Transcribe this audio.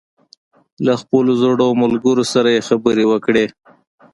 له خپلو زړو ملګرو سره یې خبرې وکړې.